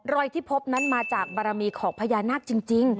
ที่พบนั้นมาจากบารมีของพญานาคจริง